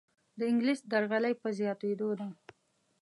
دانګلیس درغلۍ په زیاتیدو ده.